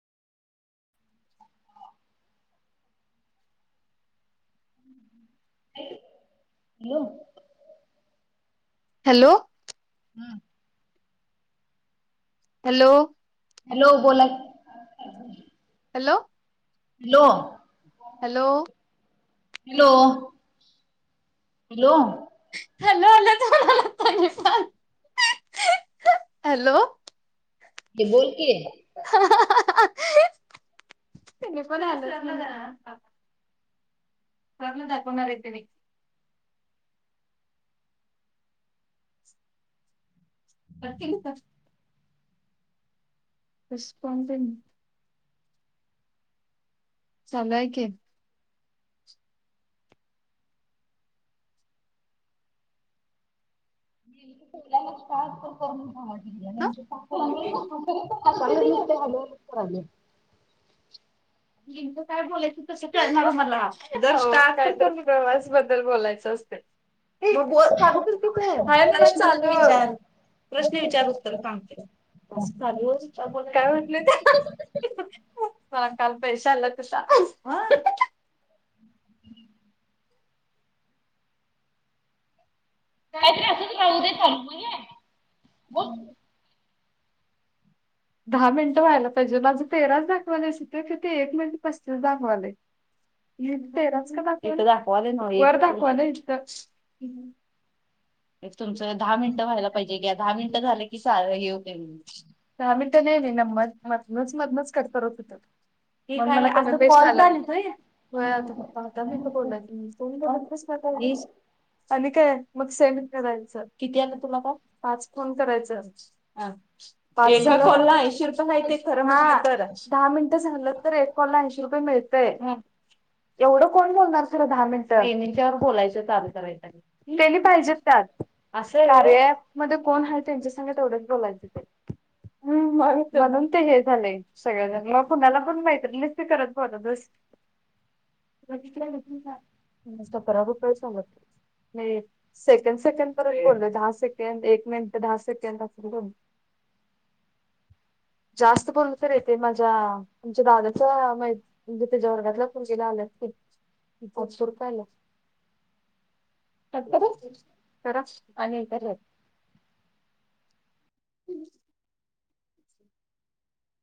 ऐक की hello hello हम हॅलो हॅलो बोला hello hello hello hello hello hello hello [unintelligible] hello ते बोल की त्यांनी पण हॅलो [unintelligible] करून दाखवणार आहेत त्यांनी [unintelligible] रिस्पॉनडिंग चालू आहे की [unintelligible] करून घ्या म्हटली [unintelligible] [inaudible] नेमकं काय बोलायचं कसं कळणार मला प्रश्न विचार, प्रश्न विचार उत्तर सांगते. काय म्हटल्या त्या? हां काल पैशे आल्या तश्या काहीतर असंच राहू दे चालू म हे बोल दहा मिनटं व्हायला पाहिजे माझं तेराच दाखवालेय अस तर कि ते एक मिनट पस्तीस दाखवालय. इथं तेराच का दाखवालंय? वर दाखवालंय इथं एक तुमचं दहा मिनटं व्हायला पाहिजे घ्या दहा मिनिटं झालं की स हे होतय दहा मिनिटं नाही नाही म मधनच-मधनच कट करत होतो. तोय काॅल करते मग मी बोला तो आणि काय मग सेन. करायचं किती आलं तुला का पाच फोन करायचं ह. [unintelligible] ऐशी रुपये होतीत खर म दहा मिनटं झाल तर एक कॉलला ऐंशी रुपये मिळतय. एवढं कोण बोलणार खर दहा मिनिट तीनवर बोलायचं चल तेनी पाहिजेत. हा, अस करया मध्ये कोण आहे त्यांच्या सग तेवढंच बोलायचं ते. हम्म मा मनुन तर हे झालंय. सगळेजण मग कुणाला पण माहित नस् ते करत भावतस. ब [unintelligible] सेकड सेकंड परत पडल दहा सेकंड एक मिनिट दहा सेकंड असेल. जास्त बोल तर येते माझ्या आुमच्या दादाचा मा म्हणजे तेझे वर्गातला पण गेला आलेत ते. पाचशे रुपय आल्यात. [unintelligible] खरच आणि इत य